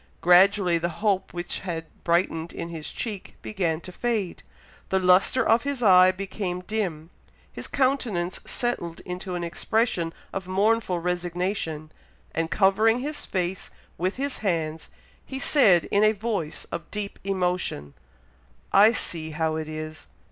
Gradually the hope which had brightened in his cheek began to fade, the lustre of his eye became dim, his countenance settled into an expression of mournful resignation, and covering his face with his hands, he said, in a voice of deep emotion, "I see how it is!